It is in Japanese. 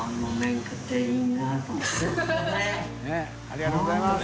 「ありがとうございます」